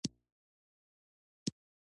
ځینې دودونه د نوي نسل لپاره ستونزې جوړوي.